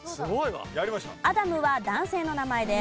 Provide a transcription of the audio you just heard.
アダムは男性の名前です。